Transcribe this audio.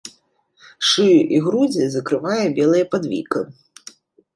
Шыю і грудзі закрывае белая падвіка.